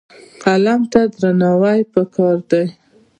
قلم ته درناوی پکار دی.